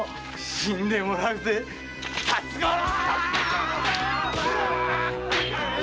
死んでもらうぜ辰五郎‼